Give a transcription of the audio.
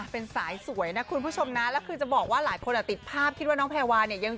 เป็นสายสวยนะคุณผู้ชมนะแล้วคือจะบอกว่าหลายคนติดภาพคิดว่าน้องแพรวาเนี่ยยัง